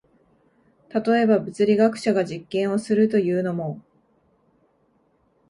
例えば、物理学者が実験をするというのも、